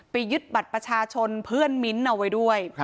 ยึดบัตรประชาชนเพื่อนมิ้นท์เอาไว้ด้วย